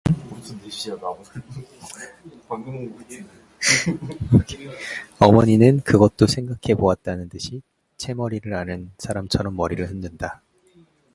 어머니는 그것도 생각해 보았다는 듯이 체머리를 앓는 사람처럼 머리를 흔든다.